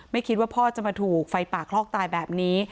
คิดว่าพ่อจะมาถูกไฟป่าคลอกตายแบบนี้